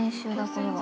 これは。